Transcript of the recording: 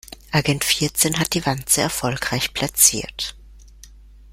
Agent vierzehn hat die Wanze erfolgreich platziert.